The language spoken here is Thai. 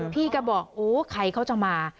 พี่ก็บอกโอ้ใครเขาจะมา